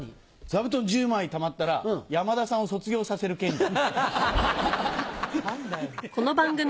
座布団１０枚たまったら山田さんを卒業させる権利。